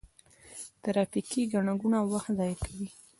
ترافیکي ګڼه ګوڼه وخت ضایع کوي.